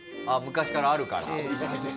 昔からあるから。